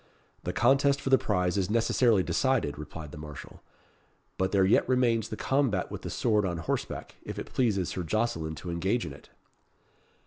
"The contest for the prize is necessarily decided," replied the marshal; "but there yet remains the combat with the sword on horseback, if it pleases Sir Jocelyn to engage in it."